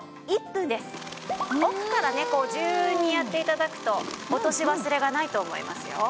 奥からねこう順にやって頂くと落とし忘れがないと思いますよ。